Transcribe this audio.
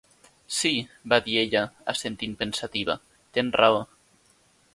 "Sí", va dir ella, assentint pensativa, "tens raó".